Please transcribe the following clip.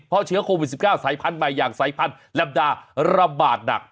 เพราะเชื้อโควิด๑๙สายพันธุ์ใหม่อย่างสายพันธุ์แลมดาระบาดหนัก